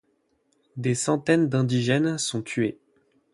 Des centaines d'indigènes sont tués.